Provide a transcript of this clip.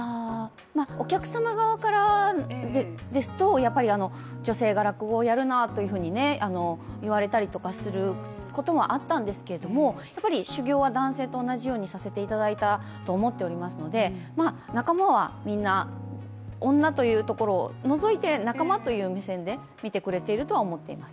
お客様側からですと、やっぱり女性が落語をやるなと言われたりすることもあったんですけれども、やっぱり修業は男性と同じようにさせていただいたと思っていますので仲間はみんな女というところを除いて仲間という目線で見てくれているとは思っています。